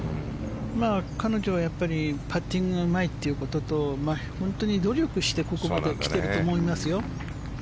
彼女はパッティングがうまいということと本当に努力してここまで来ていると思いますよ。